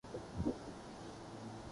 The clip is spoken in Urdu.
اکثر جھیلوں کا پانی منجمد ہوتا ہے